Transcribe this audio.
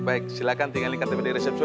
baik silahkan tinggalin katanya di resepsi ya